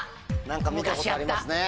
何か見たことありますね。